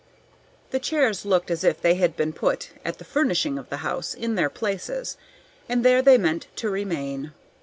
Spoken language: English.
The chairs looked as if they had been put, at the furnishing of the house, in their places, and there they meant to remain.